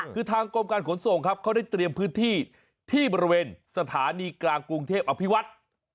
คือทางกรมการขนส่งครับเขาได้เตรียมพื้นที่ที่บริเวณสถานีกลางกรุงเทพอภิวัตร